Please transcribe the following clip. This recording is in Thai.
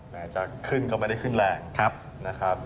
อาจจะขึ้นก็ไม่ได้ขึ้นแรงนะครับ